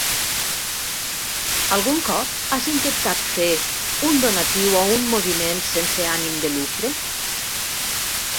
Algun cop has intentat fer un donatiu a un moviment sense ànim de lucre?